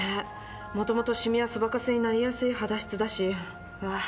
もともとシミやソバカスになりやすい肌質だしうわあ